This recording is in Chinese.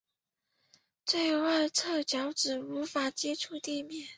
最外侧脚趾无法接触地面。